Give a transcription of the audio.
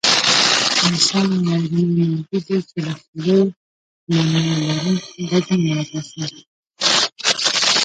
انسان یواځینی موجود دی، چې له خولې معنیلرونکي غږونه راباسي.